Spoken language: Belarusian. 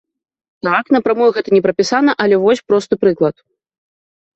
Так, на прамую гэта не прапісана, але вось просты прыклад.